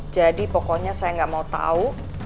jadi pokoknya saya gak mau tau